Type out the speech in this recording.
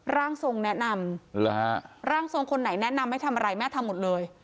ร่างทรงแนะนำร่างทรงคนไหนแนะนำให้ทำอะไรแม่ทำหมดเลย